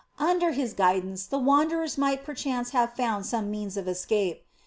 Under his guidance the wanderers might perchance have found some means of escape.